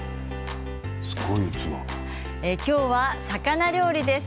今日は魚料理です。